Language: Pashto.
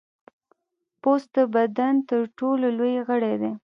پوست د بدن تر ټولو لوی غړی دی.